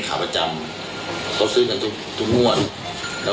เพราะว่าหลังจากอะไรอยู่ครูหลับสลากไปแล้ว